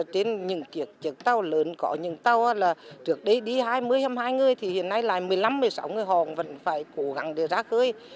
trên những chiếc tàu lớn có những tàu là trước đây đi hai mươi hai mươi hai người thì hiện nay lại một mươi năm một mươi sáu người họ vẫn phải cố gắng để ra khơi